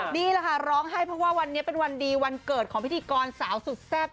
นี่แหละค่ะร้องไห้เพราะว่าวันนี้เป็นวันดีวันเกิดของพิธีกรสาวสุดแซ่บ